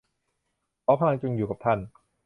ขอพลังจงอยู่กับท่าน